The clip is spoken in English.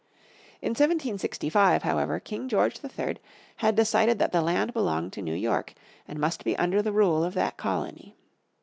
In 1765, however, King George III had decided that the land belonged to New York, and must be under the rule of that colony.